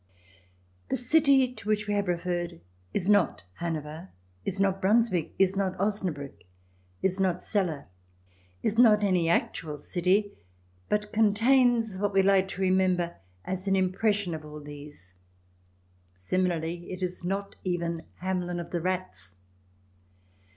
The city to which we have referred is not Hanover ; is not Brunswick ; is not Osnabriick ; is not Celle ; is not any actual city, but contains what we like to remember as an impression of all these. Similarly it is not even Hamelin of the rats.